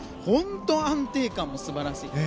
本当に安定感も素晴らしい。